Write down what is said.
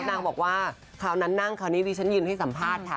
นางบอกว่าคราวนั้นนั่งคราวนี้ดิฉันยืนให้สัมภาษณ์ค่ะ